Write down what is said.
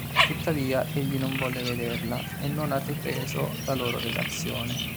Tuttavia, egli non volle vederla e non ha ripreso la loro relazione.